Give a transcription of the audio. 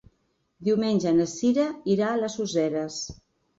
Diumenge na Cira irà a les Useres.